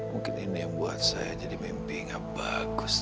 mungkin ini yang buat saya jadi mimpi gak bagus